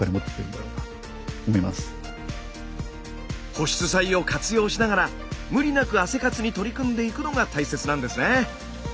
保湿剤を活用しながら無理なく汗活に取り組んでいくのが大切なんですね。